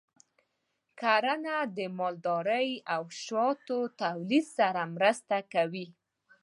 کرنه د مالدارۍ او شاتو تولید سره مرسته کوي.